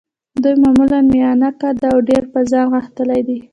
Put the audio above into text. دوی معمولاً میانه قده او ډېر په ځان غښتلي دي.